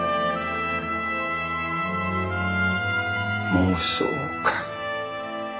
妄想か。